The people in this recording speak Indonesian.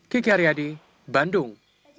saya arihadi bandung